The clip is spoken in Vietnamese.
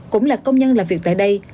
cũng là công nhân làm việc tại đây